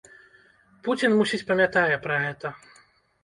Пуцін мусіць памятае пра гэта.